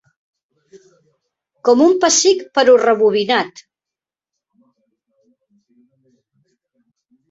Com un pessic però rebobinat.